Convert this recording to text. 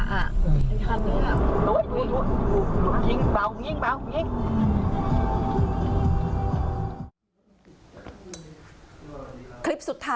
ไอ้คันกระบะ